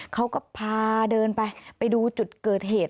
เขาก็พาเดินไปไปดูจุดเกิดเหตุ